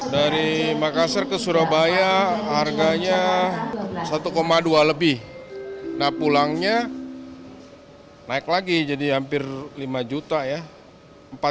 dari makassar ke surabaya harganya satu dua lebih nah pulangnya naik lagi jadi hampir lima juta ya